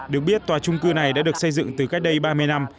được biết tòa trung cư này đã được xây dựng từ cách đây ba mươi năm